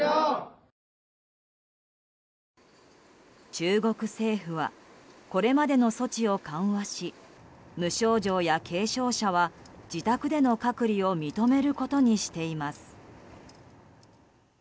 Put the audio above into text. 中国政府はこれまでの措置を緩和し無症状や軽症者は自宅での隔離を認めることにしています。